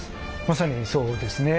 まさにそうですね。